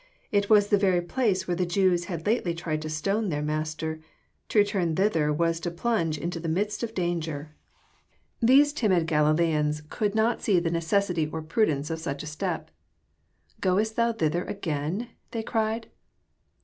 It was the very place where the Jews had lately tried to stone their Master: to return thither was to plunge into the midst of danger. These JOHK, CHAP. XI, 248 timid Galileans could not see the necessity or prudence of snch a step. " Groest Thou thither again ?they cried.